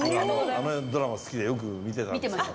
あのドラマ好きでよく見てたんですけど。